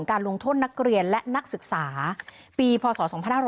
ของการลงโทษนักเรียนและนักศึกษาปีพศ